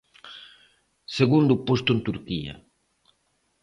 Segundo posto en Turquía.